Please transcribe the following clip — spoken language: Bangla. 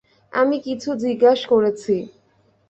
আমি কিছু জিজ্ঞেস করেছি।